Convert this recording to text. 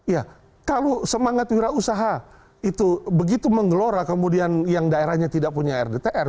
ya kalau semangat wira usaha itu begitu menggelora kemudian yang daerahnya tidak punya rdtr